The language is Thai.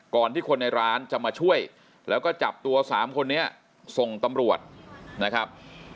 ที่คนในร้านจะมาช่วยแล้วก็จับตัว๓คนนี้ส่งตำรวจนะครับ